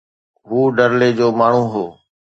هو ڍرلي جو ماڻهو هو.